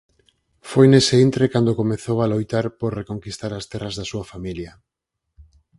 Foi nese intre cando comezou a loitar por reconquistar as terras da súa familia.